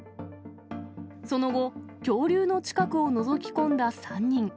その後、恐竜の近くをのぞき込んだ３人。